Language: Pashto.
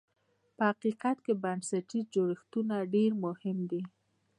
په حقیقت کې بنسټیز جوړښتونه ډېر مهم دي.